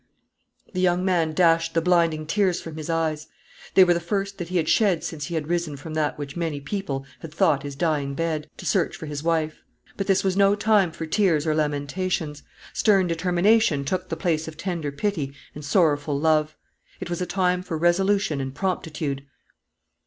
The young man dashed the blinding tears from his eyes. They were the first that he had shed since he had risen from that which many people had thought his dying bed, to search for his wife. But this was no time for tears or lamentations. Stern determination took the place of tender pity and sorrowful love. It was a time for resolution and promptitude.